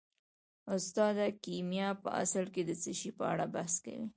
استاده کیمیا په اصل کې د څه شي په اړه بحث کوي